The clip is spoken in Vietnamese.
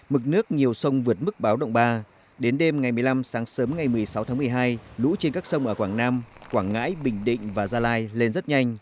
mực nước nhiều sông vượt mức báo động ba đến đêm ngày một mươi năm sáng sớm ngày một mươi sáu tháng một mươi hai lũ trên các sông ở quảng nam quảng ngãi bình định và gia lai lên rất nhanh